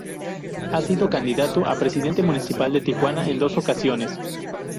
Ha sido candidato a Presidente Municipal de Tijuana en dos ocasiones.